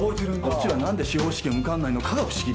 こっちは何で司法試験受かんないのかが不思議だよ。